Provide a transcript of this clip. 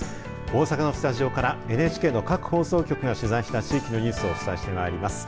大阪のスタジオからＮＨＫの各放送局が取材した地域のニュースをお伝えしてまいります。